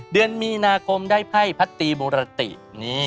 เดือนมีนาคมได้ไพ่พัตตีบุรติ